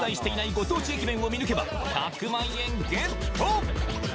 ご当地駅弁を見抜けば１００万円ＧＥＴ！